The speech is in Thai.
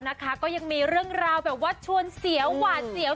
นะคะก็ยังมีเรื่องราวแบบว่าชวนเสียวหวาดเสียว